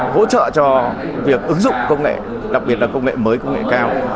hỗ trợ cho việc ứng dụng công nghệ đặc biệt là công nghệ mới công nghệ cao